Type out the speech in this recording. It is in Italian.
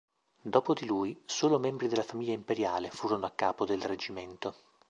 Dopo di lui, solo membri della famiglia imperiale furono a capo del reggimento.